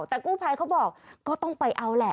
แต่กู้ภัยเขาบอกก็ต้องไปเอาแหละ